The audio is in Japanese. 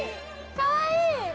かわいい！